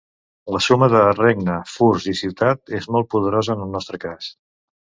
La suma de regne, furs i ciutat és molt poderosa en el nostre cas.